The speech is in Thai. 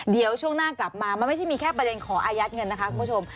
เดี๋ยวช่วงหน้ากลับมามันไม่ใช่มีแค่ประเด็นขออายัดเงินนะคะคุณผู้ชม